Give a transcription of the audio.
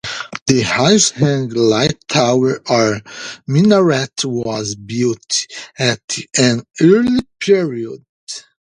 The Huaisheng Light Tower or minaret was built at an earlier period.